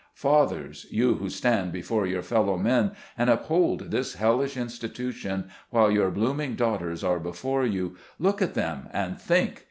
Fathers ! you who stand before your fellow men and uphold this hellish institution, while your blooming daughters are before you, look at them, and think